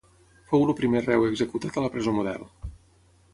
Fou el primer reu executat a la Presó Model.